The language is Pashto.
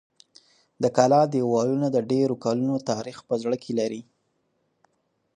د کلا دېوالونه د ډېرو کلونو تاریخ په زړه کې لري.